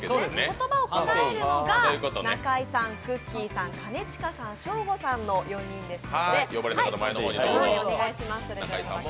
言葉をとらえるのが中井さん、くっきー！さん、兼近さん、ショーゴさんの４人です。